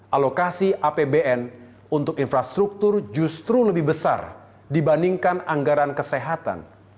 alokasi apbn untuk infrastruktur justru lebih besar dibandingkan anggaran kesehatan